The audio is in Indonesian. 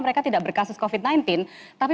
mereka tidak berkasus covid sembilan belas tapi